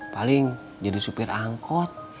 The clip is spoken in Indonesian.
paling jadi supir angkot